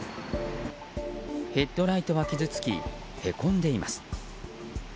ヘッドライトは傷つきへこんでいます。